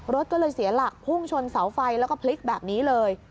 รถก็เลยเสียหลักพุ่งชนเสาไฟแล้วก็พลิกแบบนี้เลย